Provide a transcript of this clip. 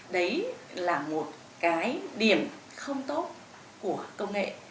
đấy là một cái điểm không tốt của công nghệ